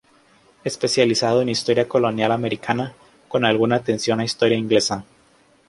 Especializado en historia colonial americana, con alguna atención a historia inglesa.